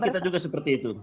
kita juga seperti itu